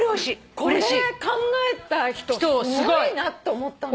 これ考えた人すごいなと思ったの。